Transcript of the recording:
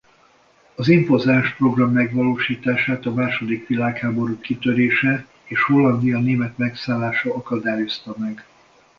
Az impozáns program megvalósítását a második világháború kitörése és Hollandia német megszállása akadályozta meg.